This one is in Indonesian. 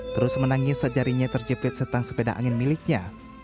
terus menangis sejarinya terjepit setang sepeda angin miliknya